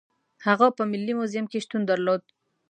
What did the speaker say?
هغه په ملي موزیم کې شتون درلود.